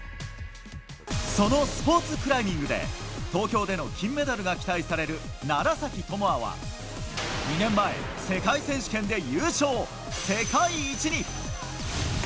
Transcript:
そのスポーツクライミングで東京での金メダルが期待される楢崎智亜は２年前、世界選手権で優勝。